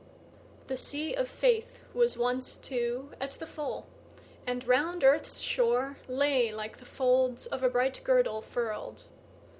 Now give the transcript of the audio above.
The sea of faithWas once, too, at the full, and round earth's shoreLay like the folds of a bright girdle furl'd.